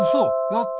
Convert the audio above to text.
やった！